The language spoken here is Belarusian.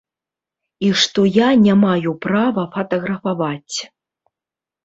І што я не маю права фатаграфаваць.